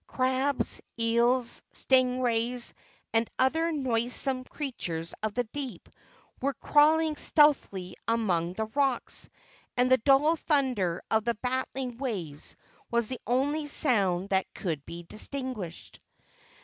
Crabs, eels, sting rays and other noisome creatures of the deep were crawling stealthily among the rocks, and the dull thunder of the battling waves was the only sound that could be distinguished.